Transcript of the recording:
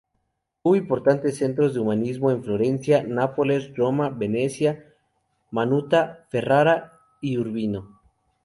Hubo importantes centros de humanismo en Florencia, Nápoles, Roma, Venecia, Mantua, Ferrara y Urbino.